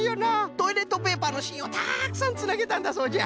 トイレットペーパーのしんをたくさんつなげたんだそうじゃ。